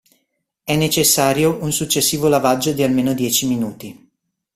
È necessario un successivo lavaggio di almeno dieci minuti.